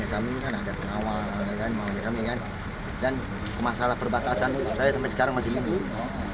kami kan ada penawar dan masalah perbatasan saya sampai sekarang masih lindung